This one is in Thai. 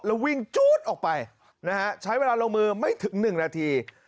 แล้ววิ่งจู๊ดออกไปนะฮะใช้เวลาลงมือไม่ถึง๑นาที